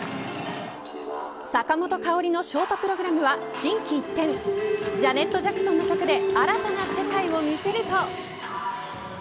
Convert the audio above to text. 坂本花織のショートプログラムは、心機一転ジャネットジャクソンの曲で新たな世界を見せると。